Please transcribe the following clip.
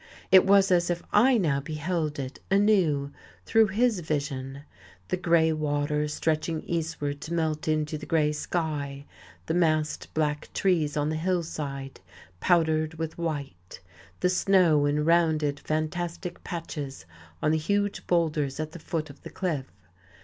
It was as if I now beheld it, anew, through his vision: the grey water stretching eastward to melt into the grey sky, the massed, black trees on the hillside, powdered with white, the snow in rounded, fantastic patches on the huge boulders at the foot of the cliff.